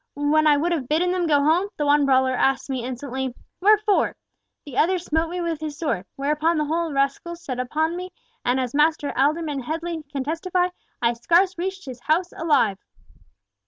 When I would have bidden them go home, the one brawler asks me insolently, 'Wherefore?' the other smote me with his sword, whereupon the whole rascaille set on me, and as Master Alderman Headley can testify, I scarce reached his house alive.